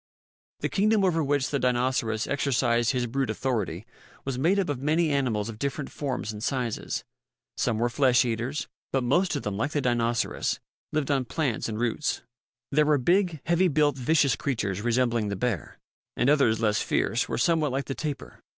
The kingdom over which the Dinoceras exercised his brute authority was made up of many animals of different forms and sizes. Some were flesh eaters, but most of them, like the Dinoceras, lived on plants and roots. There were big, heavily built, vicious creatures resembling the bear; and others, less fierce, were somewhat like the tapir.